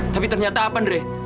tapi ternyata apa andri